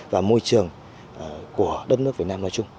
và môi trường của đất nước việt nam nói chung